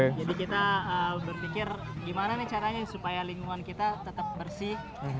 jadi kita berpikir gimana nih caranya supaya lingkungan kita tetap bersih